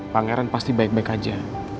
bang eran pasti baik baik aja